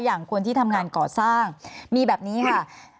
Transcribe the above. คนที่ทำงานก่อสร้างมีแบบนี้ค่ะ